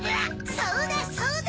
そうだそうだ！